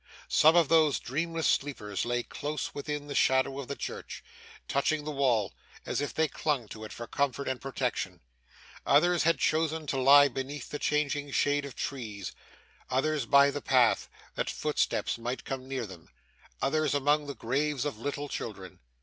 Some of those dreamless sleepers lay close within the shadow of the church touching the wall, as if they clung to it for comfort and protection. Others had chosen to lie beneath the changing shade of trees; others by the path, that footsteps might come near them; others, among the graves of little children.